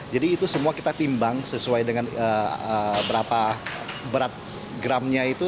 jadi itu semua kita timbang sesuai dengan berapa berat gramnya itu